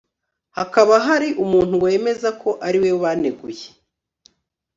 hakaba hari umuntu wemeza ko ari we baneguye